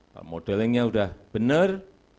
kalau modelingnya sudah benar